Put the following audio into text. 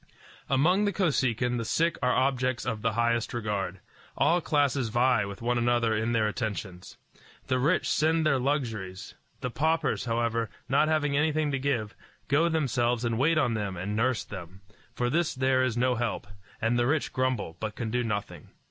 Among the Kosekin the sick are objects of the highest regard. All classes vie with one another in their attentions. The rich send their luxuries; the paupers, however, not having anything to give, go themselves and wait on them and nurse them. For this there is no help, and the rich grumble, but can do nothing.